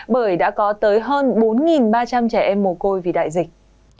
bởi đã có tới hơn bốn ba trăm linh trẻ em mồ côi vì đại dịch